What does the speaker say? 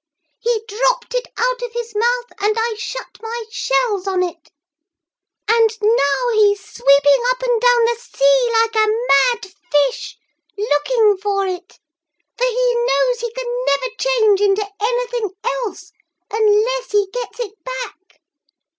He dropped it out of his mouth and I shut my shells on it and now he's sweeping up and down the sea like a mad fish, looking for it for he knows he can never change into anything else unless he gets it back.